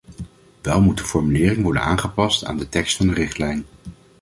Wel moet de formulering worden aangepast aan de tekst van de richtlijn.